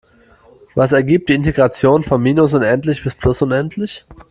Was ergibt die Integration von minus unendlich bis plus unendlich?